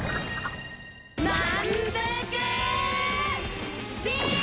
まんぷくビーム！